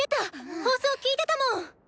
放送聞いてたもん！